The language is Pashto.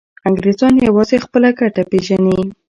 انګریزان یوازې خپله ګټه پیژني.